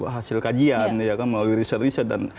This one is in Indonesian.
hasil kajian ya kan melalui research research